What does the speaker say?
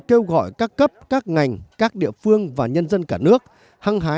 tôi đã làm việc với những vấn đề cộng đồng đó